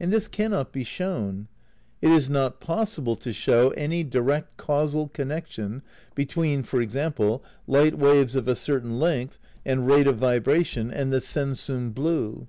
And this cannot be shown. It is not possible to show any direct causal connection between, for example, light waves of a certain length and rate of vibration and the sensum, blue.